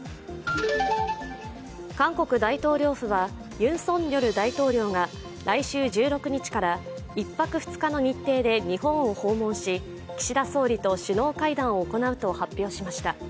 韓国大統領府はユン・ソンニョル大統領が来週１６日から１泊２日の日程で日本を訪問し、岸田総理と首脳会談を行うと発表しました。